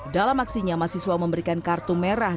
dalam aksinya mahasiswa memberikan kartu merah